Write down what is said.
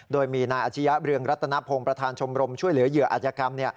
โดยมีนายอาชียะเรืองรัตนพงศ์ประธานชมรมช่วยเหลือเหยื่ออาจยกรรม